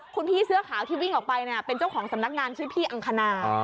คุณพี่เสื้อขาวที่วิ่งออกไปเป็นเจ้าของสำนักงานชื่อพี่อังคณา